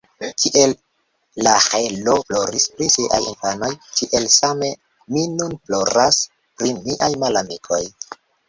Kiel Raĥelo ploris pri siaj infanoj, tiel same mi nun ploras pri miaj malamikoj.